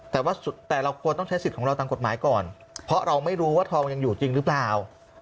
แต่ว่าแต่เราควรต้องใช้สิทธิ์ของเราตามกฎหมายก่อนเพราะเราไม่รู้ว่าทองยังอยู่จริงหรือเปล่า